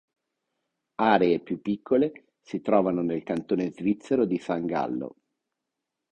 Aree più piccole si trovano nel cantone svizzero di San Gallo.